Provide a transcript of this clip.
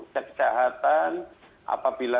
cek kesehatan apabila